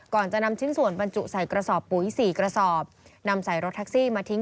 ก่อนจะนำชิ้นส่วนบรรจุใส่กระสอบปุ๋ยสี่กระสอบนำใส่รถแท็กซี่มาทิ้ง